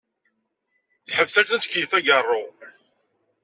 Teḥbes akken ad tkeyyef ageṛṛu.